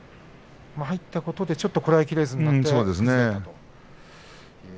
入ったことでちょっとこらえきれずに。